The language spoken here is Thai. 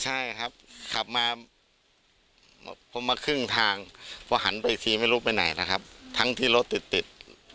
ใช่ครับขับมาพอมาครึ่งทางพอหันไปอีกทีไม่รู้ไปไหนนะครับทั้งที่รถติดติด